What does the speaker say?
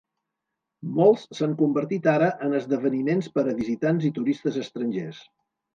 Molts s'han convertit ara en esdeveniments per a visitants i turistes estrangers.